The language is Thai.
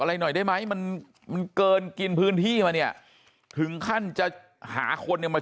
อะไรหน่อยได้ไหมมันมันเกินกินพื้นที่มาเนี่ยถึงขั้นจะหาคนเนี่ยมา